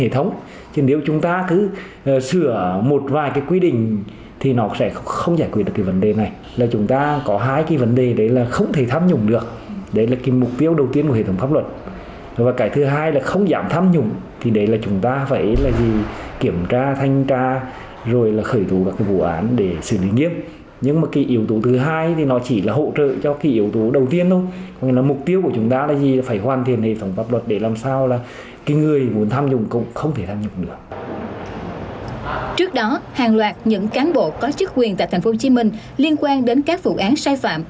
trước đó hàng loạt những cán bộ có chức quyền tại tp hcm liên quan đến các vụ án sai phạm